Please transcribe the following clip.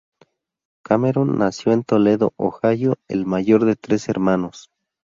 Cameron nació en Toledo, Ohio, el mayor de tres hermanos.